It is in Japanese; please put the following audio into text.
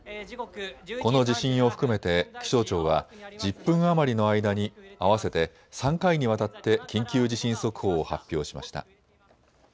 この地震を含めて気象庁は１０分余りの間に合わせて３回にわたって緊急地震速報を発表しました。